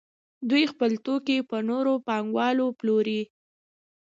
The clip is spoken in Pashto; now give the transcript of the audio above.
دوی خپل توکي په نورو پانګوالو پلوري